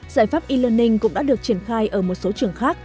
giải pháp e learning cũng đã được triển khai ở một số trường khác